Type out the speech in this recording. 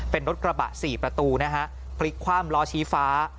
เป็นรถกระบะ๔ประตูนะฮะพลิกคว่ำล้อชี้ฟ้า